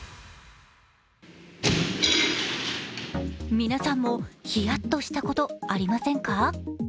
皆さんもヒヤッとしたことありませんか？